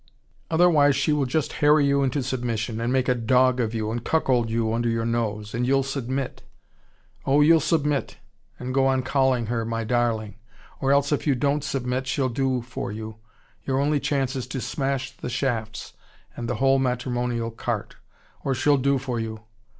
Otherwise she will just harry you into submission, and make a dog of you, and cuckold you under your nose. And you'll submit. Oh, you'll submit, and go on calling her my darling. Or else, if you won't submit, she'll do for you. Your only chance is to smash the shafts, and the whole matrimonial cart. Or she'll do for you.